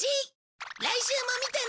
来週も見てね！